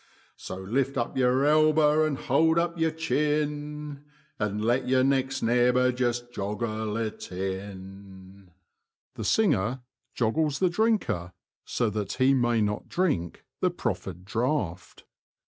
So lift up your elbow, and hold up your chin, And let your next nei'bor just joggle it in. [He joggles the drinker, so that he may not drink the proffered draught.